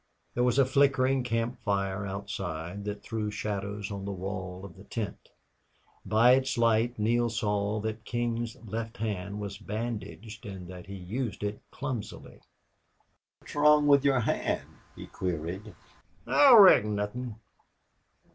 There was a flickering camp fire outside that threw shadows on the wall of the tent. By its light Neale saw that King's left hand was bandaged and that he used it clumsily. "What's wrong with your hand?" he queried. "I reckon nawthin'."